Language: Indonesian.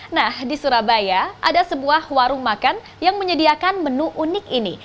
nah di surabaya ada sebuah warung makan yang menyediakan menu unik ini